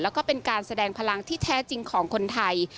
แล้วก็เป็นการแสดงพลังที่แท้จริงของคนไทย